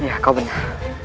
ya kau benar